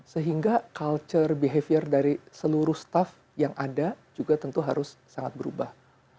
sehingga culture behavior dari seluruh staff yang ada juga tentu harus sangat berubah